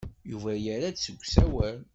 Yuba yerra deg usawal.